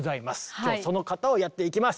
今日はその方をやっていきます！